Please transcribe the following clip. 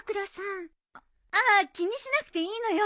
あっ気にしなくていいのよ。